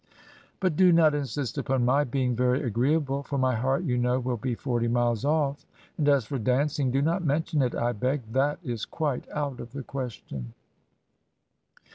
"'But do not insist upon my being very agreeable, for my heart you know will be forty miles off; and as for dancing, do not mention it, I beg; that is quite out of the question.'